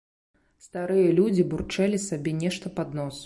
Старыя людзі бурчэлі сабе нешта пад нос.